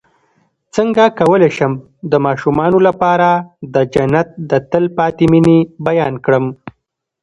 څنګه کولی شم د ماشومانو لپاره د جنت د تل پاتې مینې بیان کړم